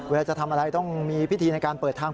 จะทำอะไรต้องมีพิธีในการเปิดทาง